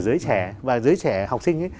giới trẻ và giới trẻ học sinh ấy